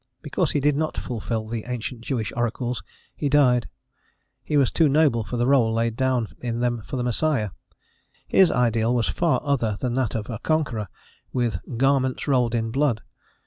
Because he did not fulfil the ancient Jewish oracles, he died: he was too noble for the rôle laid down in them for the Messiah, his ideal was far other than that of a conqueror, with "garments rolled in blood."